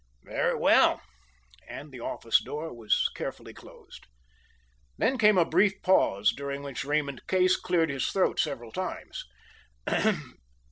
"Very well," and the office door was carefully closed. Then came a brief pause, during which Raymond Case cleared his throat several times.